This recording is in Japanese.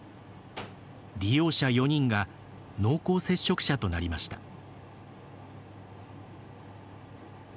利用者４人が濃厚接触者となりました。